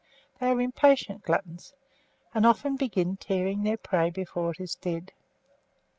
They are impatient gluttons, and often begin tearing their prey before it is dead.